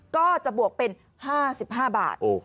ก็จะบวกเป็น๕๕บาท